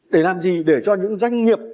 để làm gì để cho những doanh nghiệp